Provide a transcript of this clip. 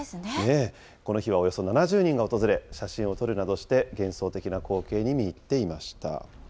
この日はおよそ７０人が訪れ、写真を撮るなどして、幻想的な光景に見入っていました。